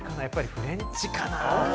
フレンチかな？